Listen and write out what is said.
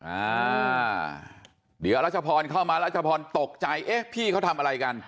อ่าเดี๋ยวรัชพรเข้ามารัชพรตกใจเอ๊ะพี่เขาทำอะไรกัน